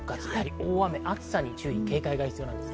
大雨、暑さに注意・警戒が必要です。